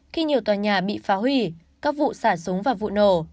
khi nhiều tòa nhà bị phá hủy các vụ xả súng và vụ nổ